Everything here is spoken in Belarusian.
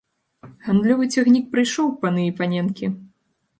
Гандлёвы цягнік прыйшоў, паны і паненкі!